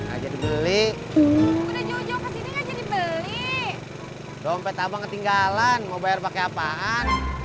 aja dibeli jauh jauh ke sini aja dibeli dompet apa ketinggalan mau bayar pakai apaan